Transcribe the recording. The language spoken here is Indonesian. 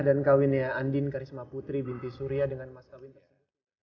dan kawinnya andin karisma putri binti surya dengan mas kawin tersebut